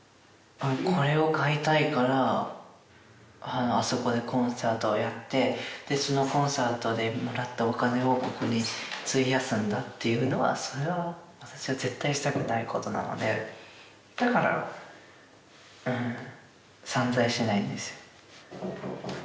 これを買いたいからあそこでコンサートをやってそのコンサートでもらったお金をここに費やすんだっていうのはそれは私は絶対したくないことなのでだから散財しないんですよ